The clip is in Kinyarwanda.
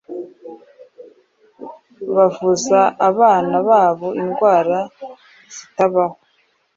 bavuza abana babo indwara zitabaho